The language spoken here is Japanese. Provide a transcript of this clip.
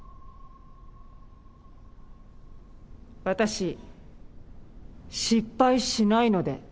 私失敗しないので。